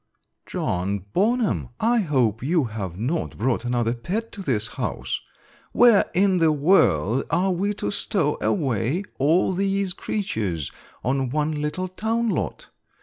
"John Bonham, I hope you have not brought another pet to this house! Where in the world are we to stow away all these creatures on one little town lot?